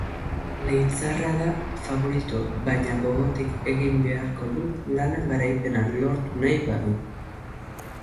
Leitzarra da faborito baina gogotik egin beharko du lana garaipena lortu nahi badu.